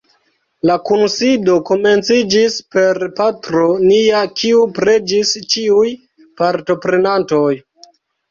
La kunsido komenciĝis per Patro Nia kiu preĝis ĉiuj partoprenantoj.